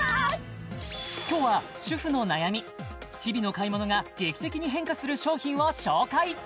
今日は主婦の悩み日々の買い物が劇的に変化する商品を紹介